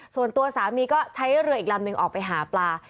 ส่วนตัวสามีก็ใช้เรืออีกลำนึงออกไปหาปลา